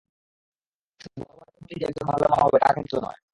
শুধু ভালো ভাইবোন হলেই যে একজন ভালো মামা হবে তা কিন্তু নয়।